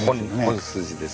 本筋です。